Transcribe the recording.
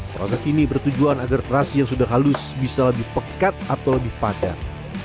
proses ini bertujuan agar terasi yang sudah halus bisa lebih pekat atau lebih padat